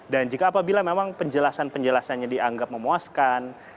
dan jika apabila memang penjelasan penjelasannya dianggap memuaskan